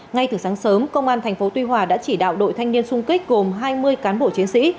ngay từ sáng sớm công an thành phố tuy hòa đã chỉ đạo đội thanh niên sung kích gồm hai mươi cán bộ chiến sĩ